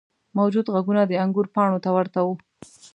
موجود غوږونه د انګور پاڼو ته ورته وو.